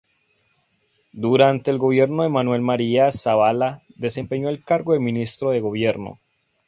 Durante el gobierno de Manuel María Zavalla, desempeñó el cargo de Ministro de Gobierno.